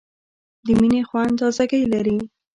د مڼې خوند تازهګۍ لري.